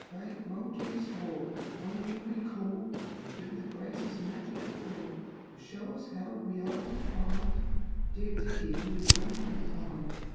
"Great Mouldiestwarp, on you we call To do the greatest magic of all; To show us how we are to find Dear Dickie who is lame and kind.